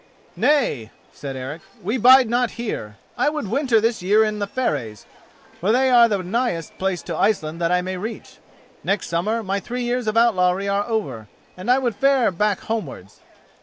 "Nay," said Eric, "we bide not here. I would winter this year in Fareys, for they are the nighest place to Iceland that I may reach. Next summer my three years of outlawry are over, and I would fare back homewards."